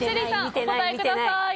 お答えください。